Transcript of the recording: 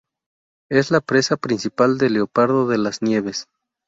Es la presa principal del leopardo de las nieves.